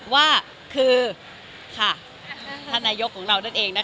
ว่าคือค่ะท่านนายกของเรานั่นเองนะคะ